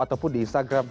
ataupun di instagram